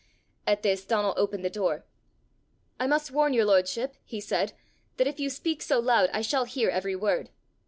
At this Donal opened the door. "I must warn your lordship," he said, "that if you speak so loud, I shall hear every word."